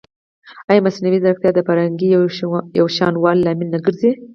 ایا مصنوعي ځیرکتیا د فرهنګي یوشان والي لامل نه ګرځي؟